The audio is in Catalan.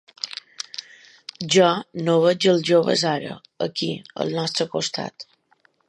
Jo no veig els joves ara, aquí, al nostre costat.